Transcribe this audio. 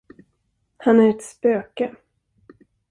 Han är ett spöke.